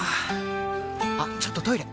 あっちょっとトイレ！